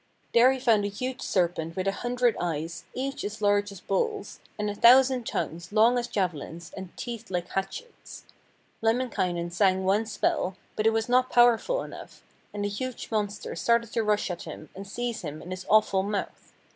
There he found a huge serpent with a hundred eyes, each as large as bowls, and a thousand tongues long as javelins, and teeth like hatchets. Lemminkainen sang one spell, but it was not powerful enough, and the huge monster started to rush at him and seize him in its awful mouth.